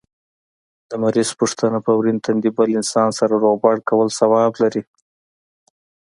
د مریض پوښتنه په ورين تندي بل انسان سره روغبړ کول ثواب لري